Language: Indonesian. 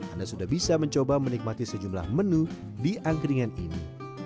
anda sudah bisa mencoba menikmati sejumlah menu di angkringan ini